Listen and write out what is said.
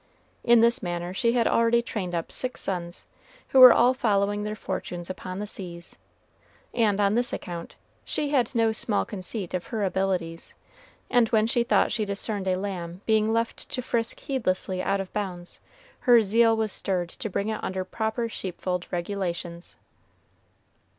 In this manner she had already trained up six sons, who were all following their fortunes upon the seas, and, on this account, she had no small conceit of her abilities; and when she thought she discerned a lamb being left to frisk heedlessly out of bounds, her zeal was stirred to bring it under proper sheepfold regulations.